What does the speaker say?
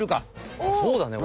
そうだね。